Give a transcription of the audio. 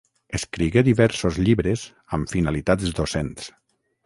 Escrigué diversos llibres amb finalitats docents.